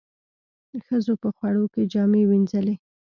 ښځو په خوړ کې جامې وينځلې.